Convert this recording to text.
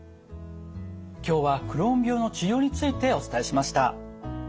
今日はクローン病の治療についてお伝えしました。